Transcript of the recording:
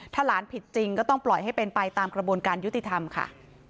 ถ้าหลานผิดจริงก็ต้องปล่อยให้เป็นไปตามกระบวนการยุติธรรมค่ะ